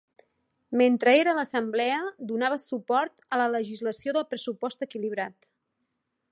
Mentre era a l'assemblea, donava suport a la legislació de pressupost equilibrat.